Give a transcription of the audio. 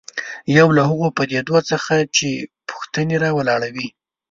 یو له هغو پدیدو څخه چې پوښتنې راولاړوي.